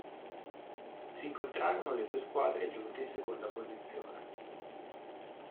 S'incontrarono le due squadre giunte in seconda posizione.